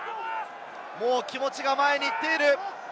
気持ちが前に行っている！